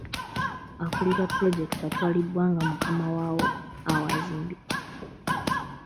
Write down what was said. Akulira pulojekiti atwalibwa nga mukama waawo awazimbibwa.